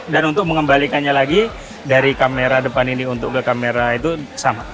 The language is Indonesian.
dan untuk mengembalikannya lagi dari kamera depan ini untuk ke kamera itu sama